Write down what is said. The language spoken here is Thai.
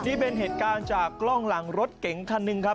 นี่เป็นเหตุการณ์จากกล้องหลังรถเก๋งคันหนึ่งครับ